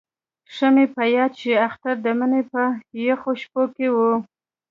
ښه مې په یاد شي اختر د مني په یخو شپو کې وو.